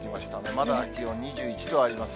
まだ気温２１度あります。